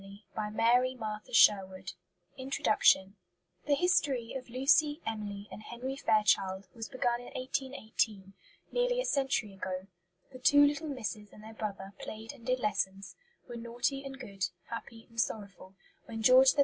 STOKES COMPANY PUBLISHERS Introduction The History of Lucy, Emily, and Henry Fairchild was begun in 1818, nearly a century ago. The two little misses and their brother played and did lessons, were naughty and good, happy and sorrowful, when George III.